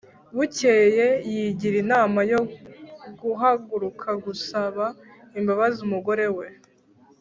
Bukeye yigira inama yo kugaruka gusaba imbabazi umugore we